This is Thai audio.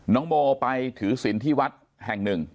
น้องโมไปถือศิลป์ที่วัดแห่งหนึ่ง